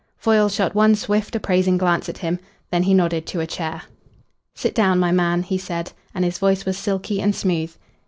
Foyle shot one swift appraising glance at him. Then he nodded to a chair. "Sit down, my man," he said, and his voice was silky and smooth.